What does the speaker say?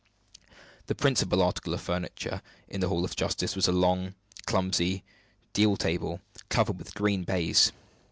The principal article of furniture in the Hall of Justice was a long, clumsy, deal table, covered with green baize.